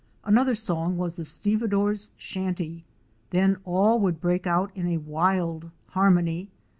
Another song was the Stevedore's Shantée. Then all would break out in a wild harmony.